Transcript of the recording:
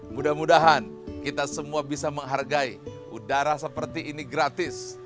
mudah mudahan kita semua bisa menghargai udara seperti ini gratis